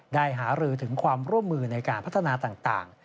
หารือถึงความร่วมมือในการพัฒนาต่าง